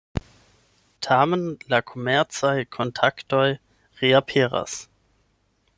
Tamen, la komercaj kontaktoj reaperas.